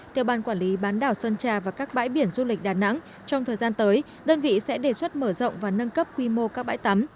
theo ban quản lý bán đảo sơn trà và các bãi biển du lịch đà nẵng trong thời gian tới đơn vị sẽ đề xuất mở rộng và nâng cấp quy mô các bãi tắm